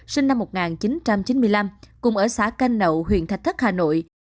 sinh năm một nghìn chín trăm chín mươi năm cùng ở xã canh nậu huyện thạch thất hà nội